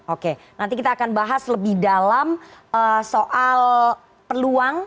oke nanti kita akan bahas lebih dalam soal peluang